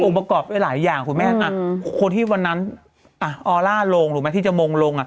อุปกรณ์เป็นหลายอย่างคุณแม่คนที่วันนั้นออร่าลงที่จะมงลง